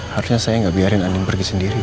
harusnya saya gak biarin andin pergi sendiri pak